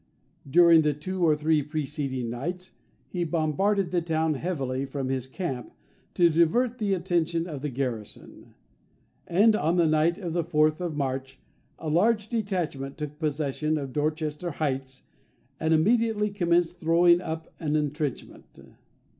During the two or three preceding nights, he bombarded the town heavily from his camp, to divert the attention of the garrison; and on the night of the 4th of March, a large detachment took possession of Dorchester Heights, and immediately commenced throwing up an intrenchment.